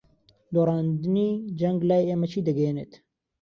دۆڕاندنی جەنگ لای ئێمە چی دەگەیەنێت؟